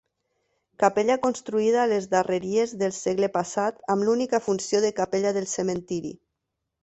Capella construïda a les darreries del segle passat amb l'única funció de capella del cementiri.